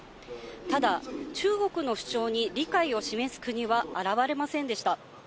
ただ、中国の主張に理解を示す国は現れませんでした。